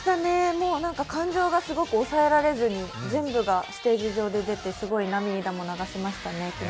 もう感情がすごく押さえられずに全部がステージ上で出て昨日は涙も流しましたね。